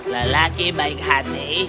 lelaki baik hati